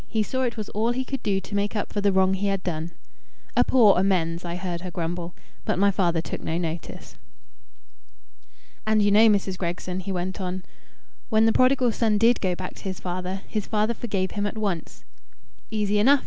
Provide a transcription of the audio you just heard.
He saw it was all he could do to make up for the wrong he had done." "A poor amends!" I heard her grumble; but my father took no notice. "And you know, Mrs. Gregson," he went on, "when the prodigal son did go back to his father, his father forgave him at once." "Easy enough!